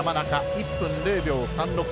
１分０秒３６。